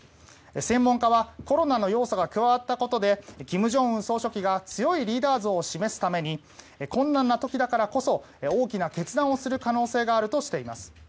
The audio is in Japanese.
専門家はコロナの要素が加わったことで金正恩総書記が強いリーダー像を示すために困難な時だからこそ大きな決断をする可能性があると指摘しています。